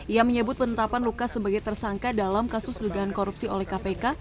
ia menyebut penetapan lukas sebagai tersangka dalam kasus dugaan korupsi oleh kpk